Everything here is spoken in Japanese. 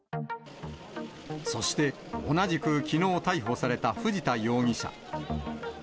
そして、同じくきのう逮捕された藤田容疑者。